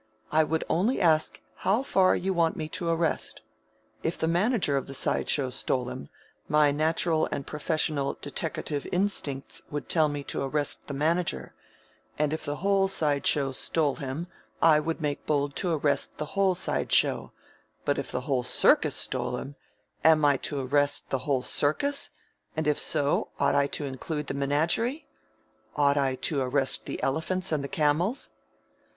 I would only ask how far you want me to arrest. If the manager of the side show stole him, my natural and professional deteckative instincts would tell me to arrest the manager; and if the whole side show stole him I would make bold to arrest the whole side show; but if the whole circus stole him, am I to arrest the whole circus, and if so ought I to include the menagerie? Ought I to arrest the elephants and the camels?"